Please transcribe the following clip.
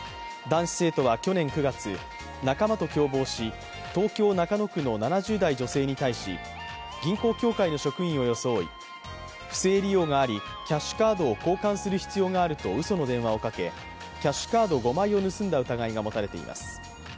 男子生徒は、去年９月仲間と共謀し東京・中野区の７０代女性に対し銀行協会の職員を装い不正利用がありキャッシュカードを交換する必要があるとうその電話をかけキャッシュカード５枚を盗んだ疑いが持たれています。